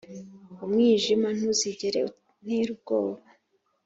Umwijima ntuzigera unter’ ubwoba,